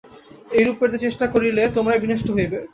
এইরূপ করিতে চেষ্টা করিলে তোমরাই বিনষ্ট হইবে।